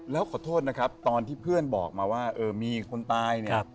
แล้วขอโทษนะครับตอนที่เพื่อนบอกมาว่ามีคนตายเนี่ย